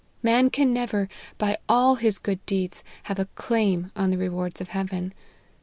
Man can never, by all his good deeds, have a claim to the rewards of heaven.